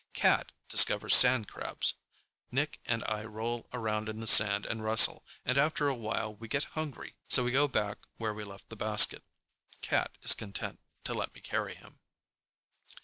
Cat discovers sand crabs. Nick and I roll around in the sand and wrestle, and after a while we get hungry, so we go back where we left the basket. Cat is content to let me carry him.